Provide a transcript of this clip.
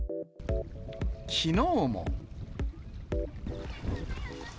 きのうも。